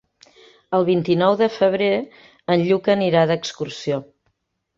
El vint-i-nou de febrer en Lluc anirà d'excursió.